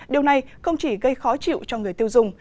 điều này không chỉ gây khó chịu cho người tiêu dùng